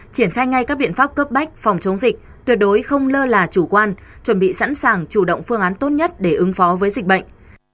triển khai ngay các biện pháp cấp bách phòng chống dịch tuyệt đối không lơ là chủ quan chuẩn bị sẵn sàng chủ động phương án tốt nhất để ứng phó với dịch bệnh